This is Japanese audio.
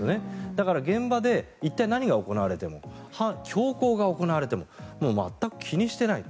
だから、現場で一体、何が行われても凶行が行われても全く気にしていない。